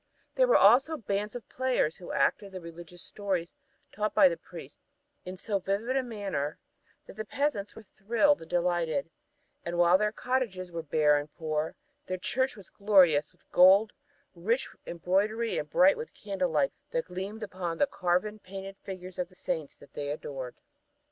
There were also bands of players who acted the religious stories taught by the priests in so vivid a manner that the peasants were thrilled and delighted; and while their cottages were bare and poor, their church was glorious with gold, rich with embroidery and bright with candle light that gleamed upon the carven, painted figures of the Saints that they adored.